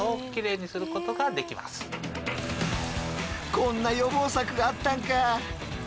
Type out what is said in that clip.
こんな予防策があったんか。